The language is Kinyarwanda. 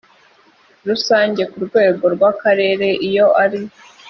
rusange ku rwego rw akarere iyo ari